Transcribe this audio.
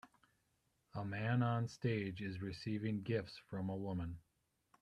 A man on stage is receiving gifts from a woman.